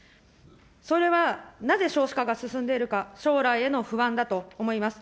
それはなぜ少子化が進んでいるのか、将来への不安だと思います。